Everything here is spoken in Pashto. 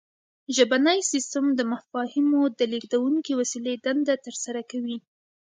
ژبنی سیستم د مفاهیمو د لیږدونکې وسیلې دنده ترسره کوي